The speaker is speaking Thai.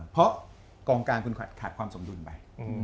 เพราะกองกลางคุณขาดความสมดุลไป